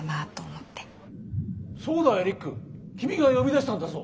「そうだエリック君が呼び出したんだぞ」。